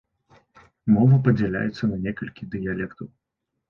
Мова падзяляецца на некалькі дыялектаў.